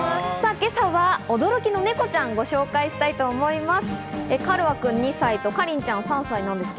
今朝は驚きのネコちゃんをご紹介したいと思います。